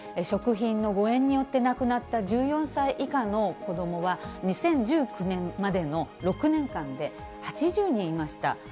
食品の誤えんによって亡くなった１４歳以下の子どもは、２０１９年までの６年間で８０人いました。